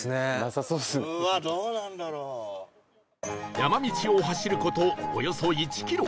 山道を走る事およそ１キロ